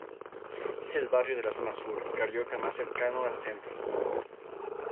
Es el barrio de la Zona Sur carioca más cercano al centro.